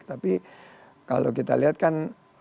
tapi kalau kita lihat kan